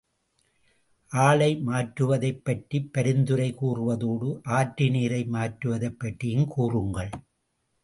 ஆளை மாற்றுவதைப் பற்றிப் பரிந்துரை கூறுவதோடு, ஆற்று நீரை மாற்றுவதைப் பற்றியும் கூறுங்கள்.